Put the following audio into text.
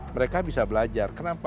mereka bisa belajar